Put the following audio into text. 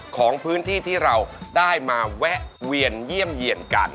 ของพื้นที่ที่เราได้มาแวะเวียนเยี่ยมเยี่ยนกัน